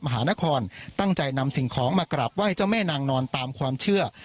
มหานครตั้งใจนำสิ่งของมากราบไหว้เจ้าแม่นางนอนตามความเชื่อ